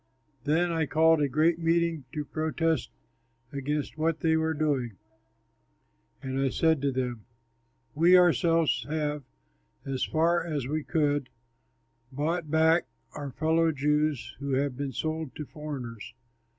Then I called a great meeting to protest against what they were doing. And I said to them, "We ourselves have, as far as we could, bought back our fellow Jews who have been sold to foreigners.